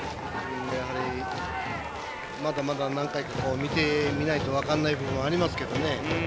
やはり、まだまだ何回か見てみないと分かんない部分がありますけどね。